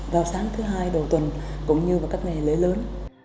vào sáng thứ hai đầu tuần cũng như vào các ngày lễ lớn